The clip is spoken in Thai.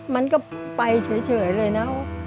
มันก็ไปเฉยเลยนะ